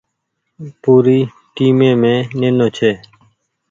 پوري ٽيمي مين نينو ڇي۔